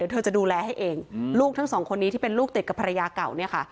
เธอจะดูแลให้เองลูกทั้งสองคนนี้ที่เป็นลูกติดกับภรรยาเก่าเนี่ยค่ะ